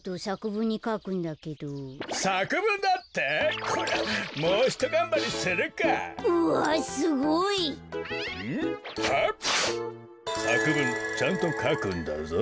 さくぶんちゃんとかくんだぞ。